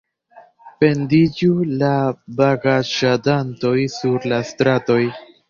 Pendiĝu la vagaĉadantoj sur la stratoj!